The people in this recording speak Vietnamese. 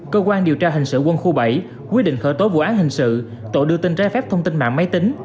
cơ quan điều tra hình sự quân khu bảy quyết định khởi tố vụ án hình sự tội đưa tin trái phép thông tin mạng máy tính